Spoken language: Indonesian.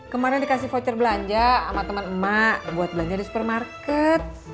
kemarin dikasih voucher belanja sama teman emak buat belanja di supermarket